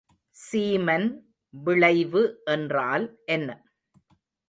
சீமன் விளைவு என்றால் என்ன?